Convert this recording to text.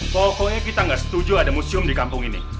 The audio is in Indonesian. pokoknya kita nggak setuju ada museum di kampung ini